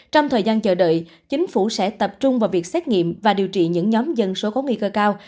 trong thời gian chờ đợi chính phủ sẽ tập trung vào việc xét nghiệm và điều trị những nhóm dân số có nguy cơ cao